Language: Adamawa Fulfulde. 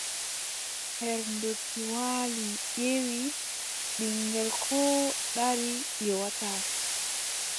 Her ndotti waali ƴeewi, ɓiŋngel koo dari ƴeewataa.